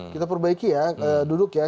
kita perbaiki ya duduk ya